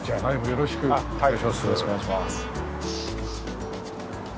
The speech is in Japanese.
よろしくお願いします。